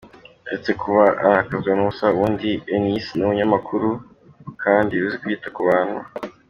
Uretse kuba arakazwa n’ubusa, ubundi Eunice ni umunyakuri kandi uzi kwita ku bantu.